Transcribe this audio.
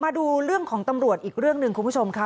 มาดูเรื่องของตำรวจอีกเรื่องหนึ่งคุณผู้ชมค่ะ